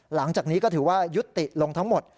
หลังจากนี้ก็ถือว่ายุติลงทั้งหมด